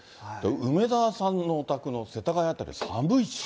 梅沢さんのお宅の世田谷辺り、寒いっしょ？